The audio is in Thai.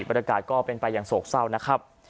บรรยากาศก็เป็นไปอย่างโศกเศร้านะครับ